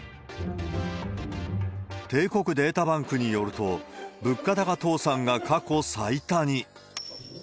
帝国データバンクによると、物価高倒産が過去最多に。